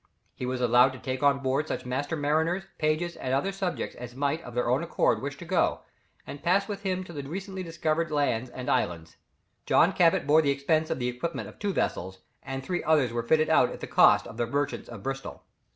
He was allowed to take on board such master mariners, pages, and other subjects as might of their own accord wish to go, and pass with him to the recently discovered land and islands. John Cabot bore the expense of the equipment of two vessels, and three others were fitted out at the cost of the merchants of Bristol.